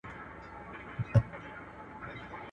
خبري ډېري دي، سر ئې يو دئ.